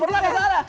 padahal belum pernah